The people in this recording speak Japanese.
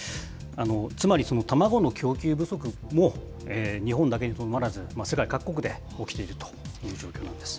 つまり、卵の供給不足も日本だけにとどまらず、世界各国で起きているという状況なんです。